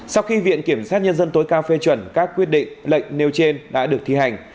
sau khi viện kiểm sát nhân dân tối cao phê chuẩn các quyết định lệnh nêu trên đã được thi hành